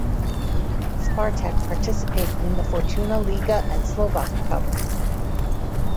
Spartak participated in the Fortuna Liga and Slovak Cup.